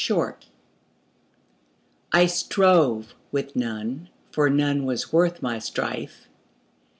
Finis I STROVE with none, for none was worth my strife.